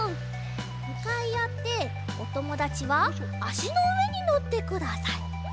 むかいあっておともだちはあしのうえにのってください。